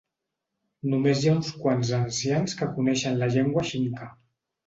Només hi ha uns quants ancians que coneixen la llengua xinca.